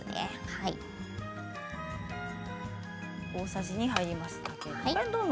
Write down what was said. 大さじ２、入りました。